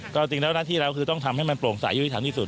ก็เอาจริงแล้วที่เราคือต้องทำให้มันโปร่งสายยุทิศัพที่สุด